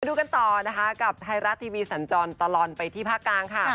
ดูกันต่อนะคะกับไทยรัฐทีวีสันจรตลอดไปที่ภาคกลางค่ะ